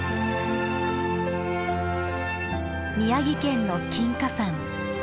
宮城県の金華山。